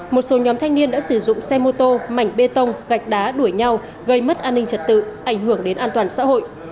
một số nhóm thanh niên đã sử dụng xe mô tô mảnh bê tông gạch đá đuổi nhau gây mất an ninh trật tự ảnh hưởng đến an toàn xã hội